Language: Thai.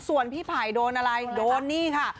ส่วนพี่ไผ่โดนอะไรโดนนี่ค่ะ